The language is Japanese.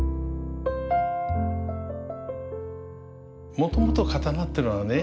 もともと刀ってのはね